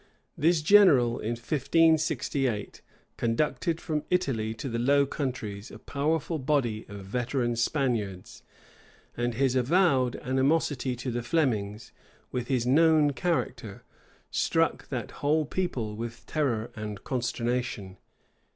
This general, in 1568, conducted from Italy to the Low Countries a powerful body of veteran Spaniards; and his avowed animosity to the Flemings, with his known character, struck that whole people with terror and consternation.